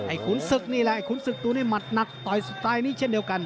ขุนศึกนี่แหละไอขุนศึกตัวนี้หมัดหนักต่อยสุดท้ายนี้เช่นเดียวกัน